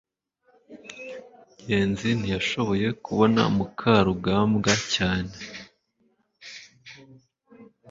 ngenzi ntiyashoboye kubona mukarugambwa cyane